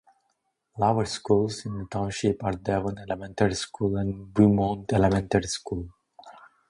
Lower schools in the township are Devon Elementary School and Beaumont Elementary School.